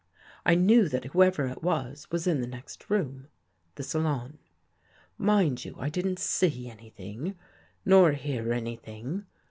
I knew that whoever it was, was in the next room — the salon. Mind you, I didn't see anything nor hear anything.